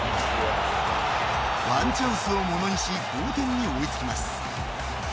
ワンチャンスをものにし同点に追いつきます。